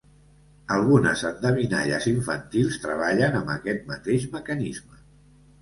Algunes endevinalles infantils treballen amb aquest mateix mecanisme.